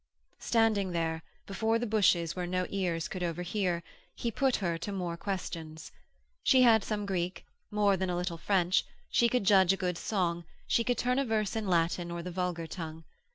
Standing there, before the bushes where no ears could overhear, he put to her more questions. She had some Greek, more than a little French, she could judge a good song, she could turn a verse in Latin or the vulgar tongue.